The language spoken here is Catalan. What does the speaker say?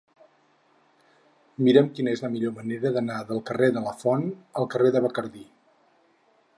Mira'm quina és la millor manera d'anar del carrer de Lafont al carrer de Bacardí.